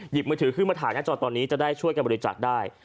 มือถือขึ้นมาถ่ายหน้าจอตอนนี้จะได้ช่วยกันบริจาคได้